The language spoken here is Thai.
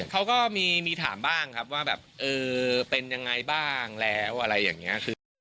เขาก็มีถามบ้างครับว่าแบบเออเป็นยังไงบ้างแล้วอะไรอย่างนี้คือ